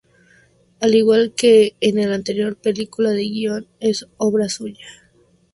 Al igual que en la anterior película, el guion es obra suya.